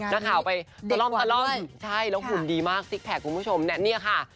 งานนี้เด็กกว่านึงใช่แล้วหุ่นดีมากสิคแพคคุณผู้ชมเนี่ยค่ะ